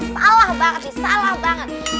salah banget nih salah banget